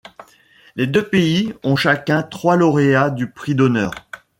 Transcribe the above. Les deux pays ont chacun trois lauréats du prix d'honneur.